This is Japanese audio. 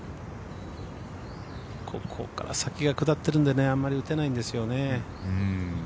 ここから先が下ってるんであんまり打てないんですよね。